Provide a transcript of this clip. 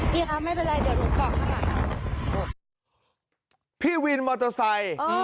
พี่ครับไม่เป็นไรเดี๋ยวดูค่ะพี่วินมอเตอร์ไซค์เออ